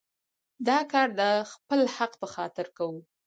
دا کار د خپل حق په خاطر کوو.